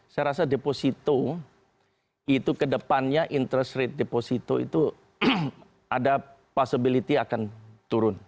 saya rasa deposito itu kedepannya interest rate deposito itu ada possibility akan turun